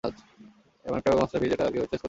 এটা এমন এক মাস্টার কি যেটা কেউ ট্রেস করতে পারবে না।